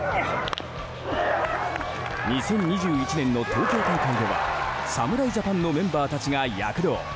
２０２１年の東京大会では侍ジャパンのメンバーたちが躍動。